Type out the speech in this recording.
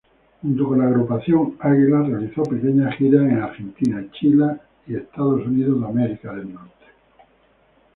Junto con la agrupación, Águila realizó pequeñas giras en Argentina, Chile y Estados Unidos.